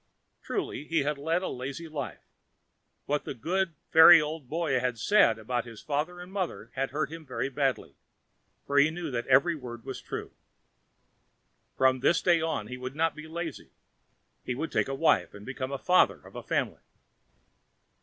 Truly he had led a lazy life. What the good Fairy Old Boy had said about his father and mother had hurt him very badly, for he knew that every word was true. From this day on, he would not be lazy; he would take a wife and become the father of a family.